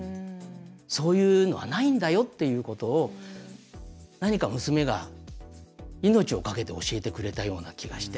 そういうのはないんだよということを何か娘が命を懸けて教えてくれたような気がして。